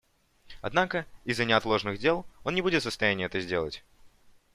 Однако из-за неотложных дел он не будет в состоянии это сделать.